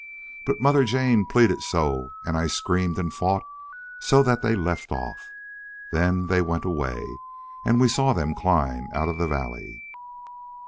But Mother Jane pleaded so and I screamed and fought so that they left off. Then they went away and we saw them climb out of the valley.